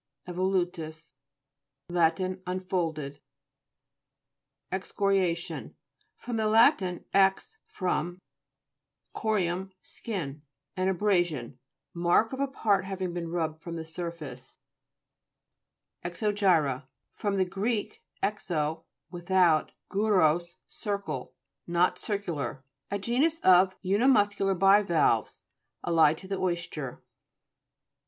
EVOLU'TTJS Lat. Unfolded. EXCORIA'TION fr. lat. ex, from, curium, skin. An abrasion, mark of a part having been rubbed from the surface. EXO'GYBA fr. gr. exo, without, gu ros, circle. Not circular. (Figs. 109, 115, 125, 135.) A genus of unimuscular bivalves, allied to the oyster.